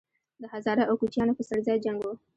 د هزاره او کوچیانو په څړځای جنګ وو